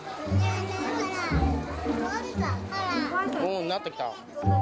うんなってきた。